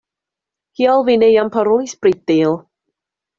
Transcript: Kial vi ne jam parolis pri tio?